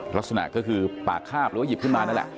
ลักษณะก็คือปากคาบหรือว่าหยิบขึ้นมานั่นแหละ